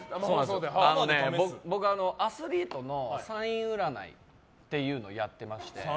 僕、アスリートのサイン占いというのをやっていまして。